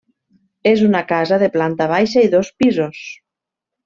És una casa de planta baixa i dos pisos.